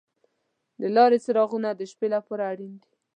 د لارې څراغونه د شپې لپاره اړین دي.